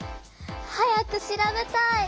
早く調べたい。